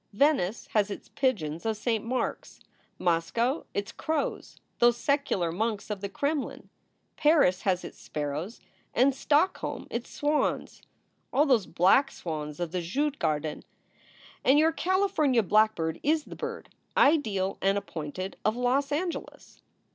Venice has its pigeons of Saint Mark s; Moscow its crows, those secular monks of the Kremlin; Paris has its sparrows, and Stockholm its swans ah, those black swans of the Djugarden! and your Cali fornia blackbird is the bird, ideal and appointed, of Los Angeles."